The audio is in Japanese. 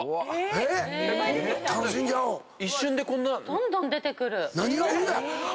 どんどん出てくる！